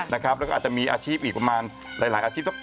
แล้วก็อาจจะมีอาชีพอีกประมาณหลายอาชีพ